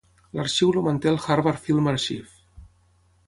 L'arxiu el manté el Harvard Film Archive.